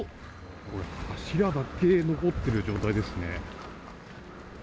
これ、柱だけ残ってる状態ですね。